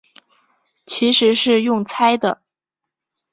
其实是用猜的